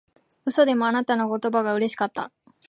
嘘でもあなたの言葉がうれしかった